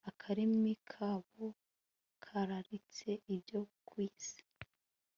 akarimi kabo kararitse ibyo ku isi